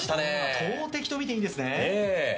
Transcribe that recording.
投てきとみていいんですね。